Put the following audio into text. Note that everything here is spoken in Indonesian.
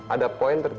ada poin tertentu